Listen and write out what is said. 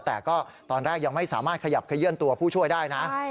แต่ก็ตอนแรกยังไม่สามารถขยับขยื่นตัวผู้ช่วยได้นะ